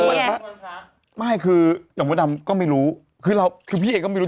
วันพระไม่คือหย่อมพระดำก็ไม่รู้คือเราคือพี่เอกก็ไม่รู้